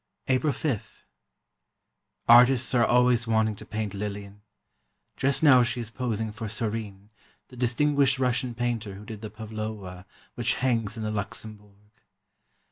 April 5: Artists are always wanting to paint Lillian. Just now she is posing for Sorine, the distinguished Russian painter who did the Pavlowa which hangs in the Luxembourg.